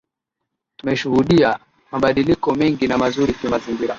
Tumeshuhudia mabadiliko mengi na mazuri kimazingira